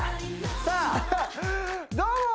さあどうも！